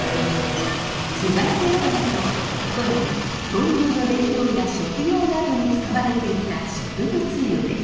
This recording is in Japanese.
つばき油とは古来灯明の燃料や食用などに使われていた植物油です。